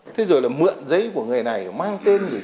thế rồi là mượn giấy của người này mang tên người kia